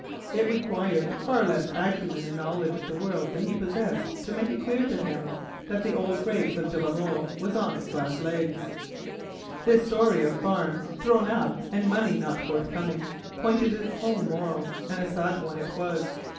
It required far less acumen and knowledge of the world than he possessed to make it clear to him that the old race of de la Molle was doomed. This story of farms thrown up and money not forthcoming pointed its own moral, and a sad one it was.